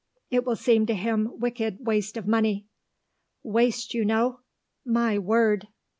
It will seem to him wicked waste of money. Waste, you know! My word!"